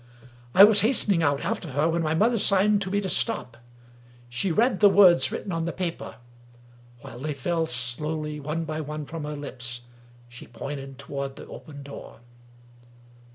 I was hastening out after her, when my mother signed to me to stop. She read the words written on the paper. While they fell slowly, one by one, from her lips, she pointed toward the open door.